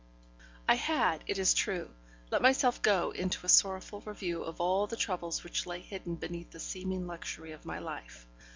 I had, it is true, let myself go into a sorrowful review of all the troubles which lay hidden beneath the seeming luxury of my life.